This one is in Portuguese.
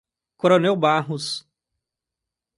Coronel Barros